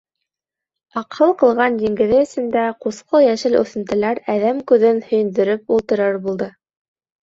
Аҡһыл ҡылған диңгеҙе эсендә ҡусҡыл-йәшел үҫентеләр әҙәм күҙен һөйөндөрөп ултырыр булды...